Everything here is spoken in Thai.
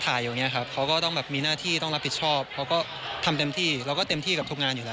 ทุกงานอยู่แล้วครับ